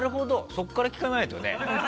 そこから聞かないとね。